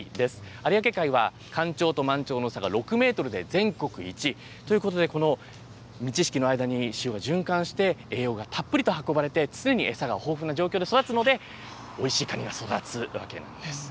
有明海は干潮と満潮の差が６メートルで全国１位、ということでこの満ち引きの間に潮が循環して栄養がたっぷりと運ばれて、常に餌が豊富な状況で育つので、おいしいカニが育つわけなんです。